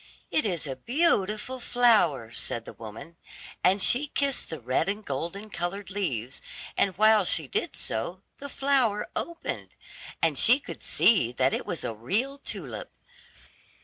"It is a beautiful flower," said the woman, and she kissed the red and golden colored leaves, and while she did so the flower opened, and she could see that it was a real tulip.